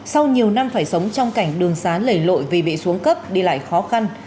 sau nhiều năm phải sống trong cảnh đường xá lẩy lội vì bị xuống cấp đi lại khó khăn